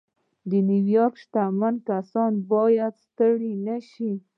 د نيويارک شتمن کسان بايد ستړي نه شي.